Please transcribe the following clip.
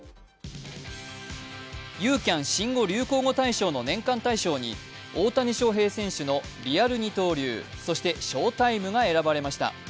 ユーキャン新語・流行語大賞の年間大賞に、大谷翔平選手のリアル二刀流、そしてショータイムが選ばれました。